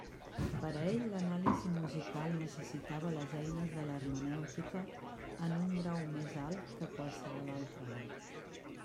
Per a ell l'anàlisi musical necessitava les eines de l'hermenèutica en un grau més alt que qualsevol altre art.